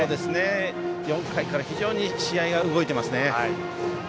４回から非常に試合が動いていますね。